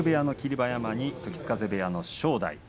馬山に時津風部屋の正代。